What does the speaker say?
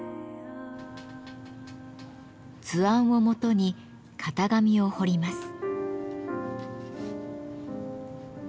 図案をもとに型紙を彫ります。